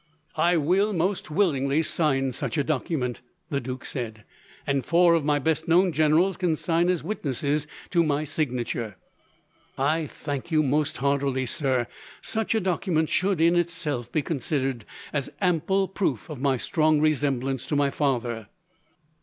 "I will most willingly sign such a document," the duke said, "and four of my best known generals can sign as witnesses to my signature." "I thank you most heartily, sir. Such a document should, in itself, be considered as ample proof of my strong resemblance to my father."